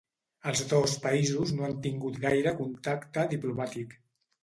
Els dos països no han tingut gaire contacte diplomàtic.